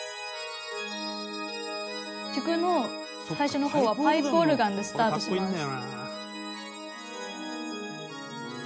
「曲の最初の方はパイプオルガンでスタートします」